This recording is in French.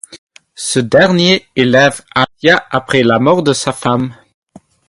Ce dernier élève Alicia après la mort de sa femme.